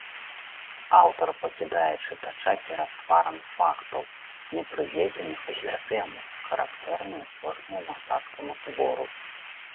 Аўтар пакідае чытача перад тварам фактаў, не прыведзеных у сістэму, характэрную кожнаму мастацкаму твору.